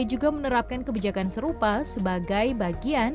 juga menerapkan kebijakan serupa sebagai bagian